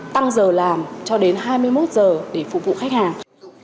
tăng giờ làm cho đến hai mươi một giờ để phục vụ khách hàng